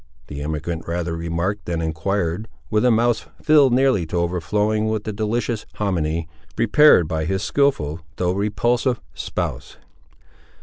the emigrant rather remarked than enquired, with a mouth filled nearly to overflowing with the delicious homminy, prepared by his skilful, though repulsive spouse.